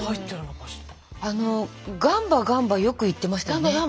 あの「ガンバガンバ」よく言ってましたよね。